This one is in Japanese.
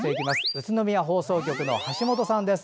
宇都宮放送局の橋本さんです。